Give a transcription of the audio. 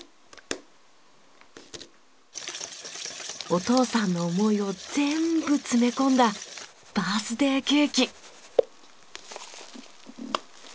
お父さんの思いを全部詰め込んだバースデーケーキ。